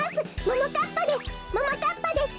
ももかっぱです。